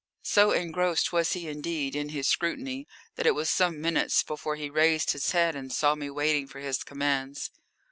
So engrossed was he, indeed, in his scrutiny that it was some minutes before he raised his head and saw me waiting for his commands.